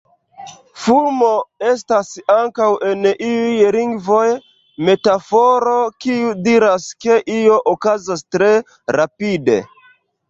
Fulmo estas ankaŭ en iuj lingvoj metaforo, kiu diras ke io okazas tre rapide.